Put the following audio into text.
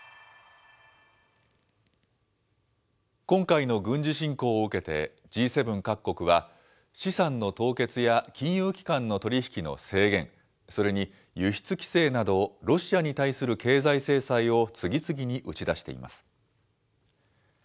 今回の軍事侵攻を受けて、Ｇ７各国は、資産の凍結や、金融機関の取り引きの制限、それに輸出規制など、ロシアに対する経済制裁を次々に打ち出しています。